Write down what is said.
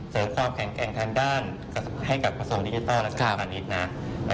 เสร็จความแข็งแข็งทางด้านให้กับประสงค์ดิจิตอลและสถานีศนะ